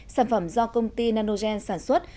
sản phẩm do công ty nanogen sản xuất